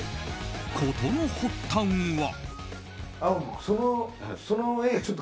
事の発端は。